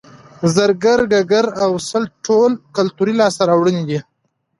زرګر ګګر او سل ټول کولتوري لاسته راوړنې دي